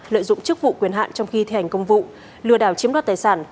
lợi dụng chức vụ quyền hạn trong khi thi hành công vụ lừa đảo chiếm đoạt tài sản